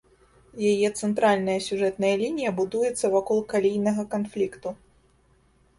Яе цэнтральная сюжэтная лінія будуецца вакол калійнага канфлікту.